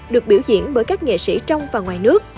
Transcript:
được biểu diễn bởi các nghệ sĩ trong và ngoài nước